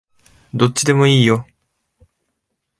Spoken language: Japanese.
どっちでもいいよ